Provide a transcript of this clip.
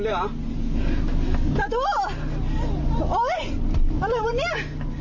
น้องเจ้าใกล้สุดเลยเหรอ